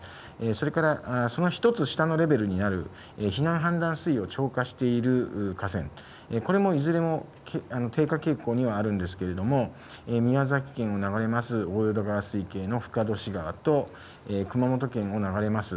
それからその１つ下のレベルになる避難氾濫水位を超過している河川、これもいずれも低下傾向にはあるんですけれども、宮崎県を流れます、大淀川水系の深年川と熊本県を流れます